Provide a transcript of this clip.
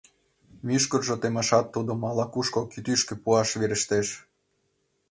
Мӱшкыржӧ темашат тудым ала-кушко кӱтӱшкӧ пуаш верештеш.